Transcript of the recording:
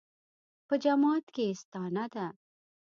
په جماعت کې یې ستانه ده.